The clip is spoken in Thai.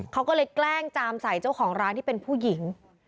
เขาก็เลยแกล้งจามใส่เจ้าของร้านที่เป็นผู้หญิง